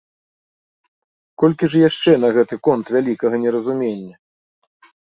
Колькі ж яшчэ на гэты конт вялікага неразумення!